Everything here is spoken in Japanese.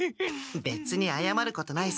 べつにあやまることないさ。